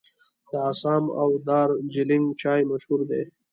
د اسام او دارجلینګ چای مشهور دی.